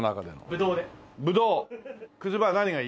ぶどう。